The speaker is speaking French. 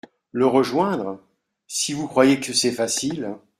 Le rejoindre ! si vous croyez que c’est facile…